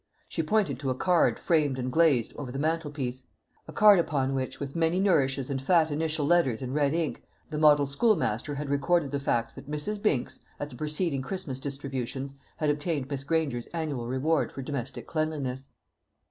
She pointed to a card framed and glazed over the mantelpiece a card upon which, with many nourishes and fat initial letters in red ink, the model schoolmaster had recorded the fact, that Mrs. Binks, at the preceding Christmas distributions, had obtained Miss Granger's annual reward for domestic cleanliness.